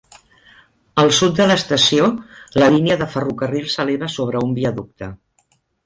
Al sud de l'estació, la línia de ferrocarril s'eleva sobre un viaducte.